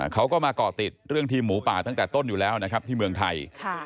เขาก็มาเกาะติดเรื่องทีมหมูป่าตั้งแต่ต้นอยู่แล้วนะครับที่เมืองไทย